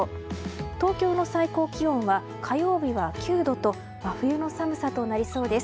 東京の最高気温は火曜日は９度と真冬の寒さとなりそうです。